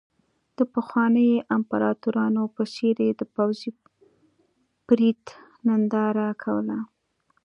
د پخوانیو امپراتورانو په څېر یې د پوځي پرېډ ننداره کوله.